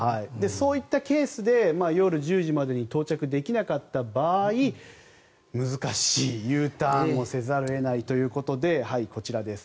そういったケースで夜１０時までに到着できなかった場合難しいＵターンをせざるを得ないということでこちらです。